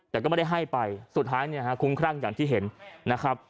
แต่ก็ไม่ได้ให้ไปสุดท้ายเนี่ยฮะคุ้มครั่งอย่างที่เห็นนะครับ